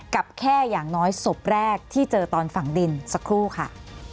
กับแค่อย่างน้อยศพแรกที่เจอตอนฝังดินสักครู่ค่ะ